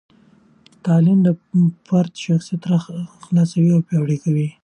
تعلیم د فرد شخصیت راخلاصوي او پیاوړي کوي.